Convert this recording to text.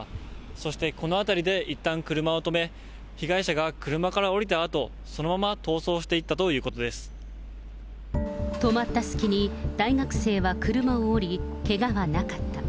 そしてこの辺りでいったん車を止め、被害者が車から降りたあと、そのまま逃走していったということで止まった隙に、大学生は車を降り、けがはなかった。